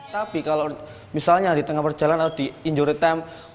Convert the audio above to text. tapi kalau misalnya di tengah perjalanan atau di injury time